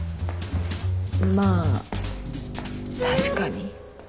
まあ確かに。